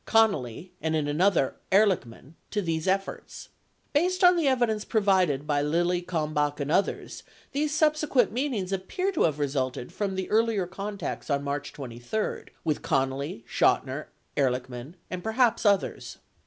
Connally, and in another, Ehrlichman, to these efforts. Based on the evidence pro vided by Lilly, Kalmbach and others, these subsequent meetings ap pear to have resulted from the earlier contacts on March 23 with Connally, Chotiner, Ehrlichman, and perhaps others.